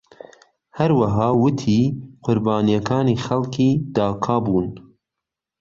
هەروەها ووتی قوربانیەکانی خەڵکی داکا بوون.